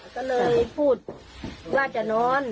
ก็เลยพูดว่าจะนอน